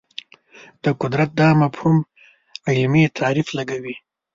د قدرت دا مفهوم علمي تعریف لګوي